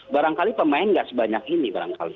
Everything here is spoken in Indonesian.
barangkali pemain nggak sebanyak ini barangkali